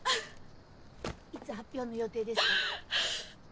いつ発表の予定ですか？